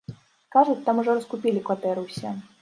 Кажуць, там ужо раскупілі кватэры ўсе.